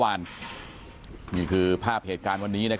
วันนี่คือภาพเหตุการณ์วันนี้นะครับ